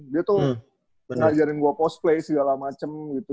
dia tuh ngajarin gue cosplay segala macem gitu